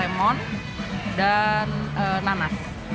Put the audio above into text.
jadi rasanya asam asam segar